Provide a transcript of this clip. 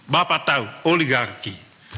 bapak tahu oligarki